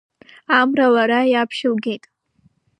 Амра лара иаԥшьылгеит…